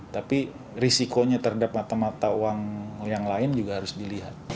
tapi risikonya terhadap mata mata uang yang lain juga harus dilihat